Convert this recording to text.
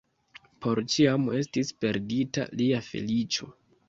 Por ĉiam estis perdita lia feliĉo.